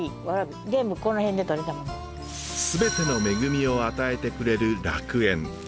全ての恵みを与えてくれる楽園。